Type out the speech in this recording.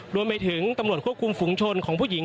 รวมไปถึงตำรวจควบคุมฝุงชนของผู้หญิง